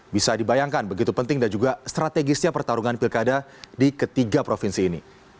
bisa dibayangkan begitu penting dan juga strategisnya pertarungan pilkada di ketiga provinsi ini